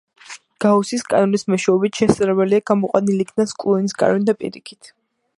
გაუსის კანონის მეშვეობით შესაძლებელია გამოყვანილი იქნას კულონის კანონი, და პირიქით.